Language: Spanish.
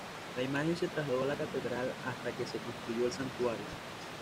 La imagen se trasladó a la Catedral hasta que se construyó el Santuario.